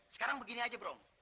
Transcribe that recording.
sekarang begini aja brom